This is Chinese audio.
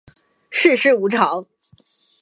世事无常